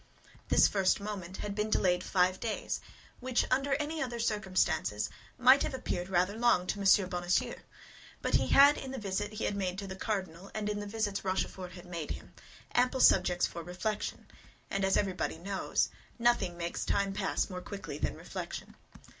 This first moment had been delayed five days, which, under any other circumstances, might have appeared rather long to M. Bonacieux; but he had, in the visit he had made to the cardinal and in the visits Rochefort had made him, ample subjects for reflection, and as everybody knows, nothing makes time pass more quickly than reflection.